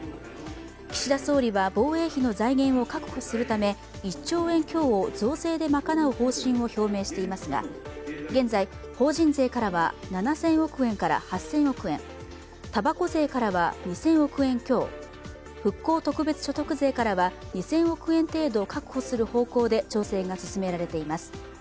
岸田総理は防衛費の財源を確保するため１兆円強を増税で賄う方針を表明していますが、現在、法人税からは７０００億円から８０００億円、たばこ税からは２０００億円強復興特別所得税からは２０００億円程度確保する方向で調整が進められています。